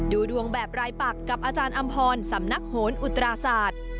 ดูดวงแบบรายปักกับอาจารย์อำพรสำนักโหนอุตราศาสตร์